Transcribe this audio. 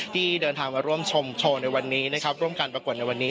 ที่เดินทางมาร่วมชมโชว์ในวันนี้นะครับร่วมการประกวดในวันนี้